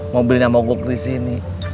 mobilnya mogok di sini